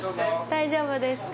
大丈夫ですか。